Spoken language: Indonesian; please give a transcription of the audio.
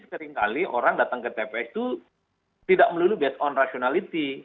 seringkali orang datang ke tps itu tidak melulu based on rasionality